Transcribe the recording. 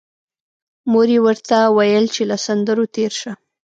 مور یې ورته ویل چې له سندرو تېر شه